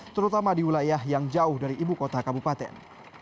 terutama di wilayah yang jauh dari ibu kota kabupaten